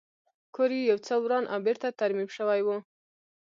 کور یې یو څه وران او بېرته ترمیم شوی و